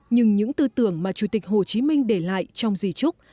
nhưng những tư tưởng mà chủ tịch hồ chí minh để lại trong di trúc